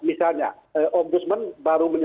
misalnya om gusman baru melihat